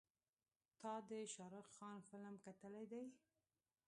تا د شارخ خان فلم کتلی دی.